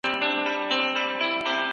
کله چي ژوند تهديد سي پناه واخلئ.